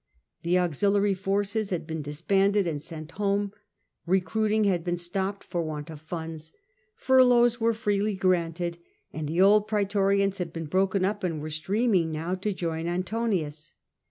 The auxiliar>^ forces had been dis banded and sent home ; recruiting had been stopped for want of funds ; furloughs were freely granted ; and the old praetorians had been broken up and were streaming now to join Antonius.